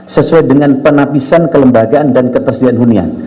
sesuai dengan penapisan kelembagaan dan ketersediaan hunian